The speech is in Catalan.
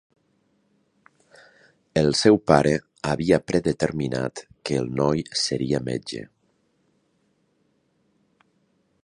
El seu pare havia predeterminat que el noi seria metge.